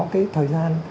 cái thời gian